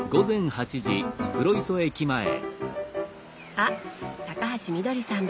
あ高橋みどりさんだ。